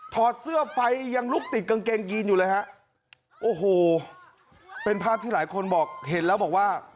อดเสื้อไฟยังลุกติดกางเกงยีนอยู่เลยฮะโอ้โหเป็นภาพที่หลายคนบอกเห็นแล้วบอกว่า